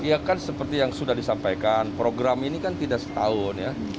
ya kan seperti yang sudah disampaikan program ini kan tidak setahun ya